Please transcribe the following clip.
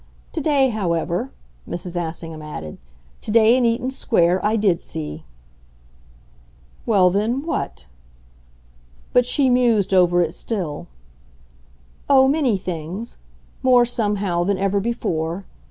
To day, however," Mrs. Assingham added, "to day in Eaton Square I did see." "Well then, what?" But she mused over it still. "Oh, many things. More, somehow, than ever before.